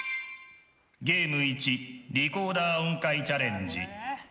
ゲーム１リコーダー音階チャレンジ！